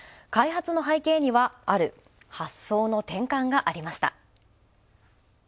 開発の背景には、ある発想の転換がありました。